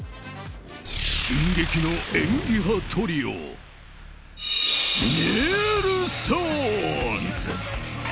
進撃の演技派トリオネルソンズ。